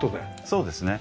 そうですね。